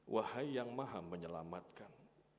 wahai yang maha menyelamatkan